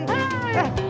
yuk mas mas